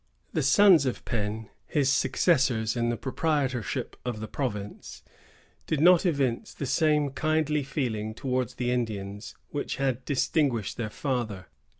The sons of Penn, his successors in the proprietorship of the province, did not evince the same kindly feeling towards the Indians which had distinguished their father.